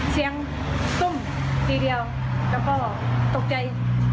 เสียงตุ้มทีเดียวแล้วก็ตกใจ